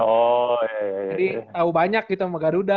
jadi tau banyak gitu sama garuda